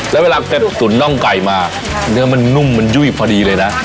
แล้วเวลาแกตุ๋นน่องไก่มาเนื้อมันนุ่มมันยุ่ยพอดีเลยนะ